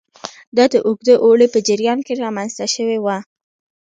دا د اوږده اوړي په جریان کې رامنځته شوي وو